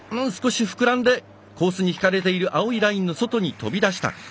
少し膨らんでコースに引かれている青いラインの外に飛び出した。